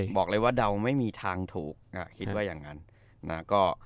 บอกเลยว่าเดาไม่มีทางถูก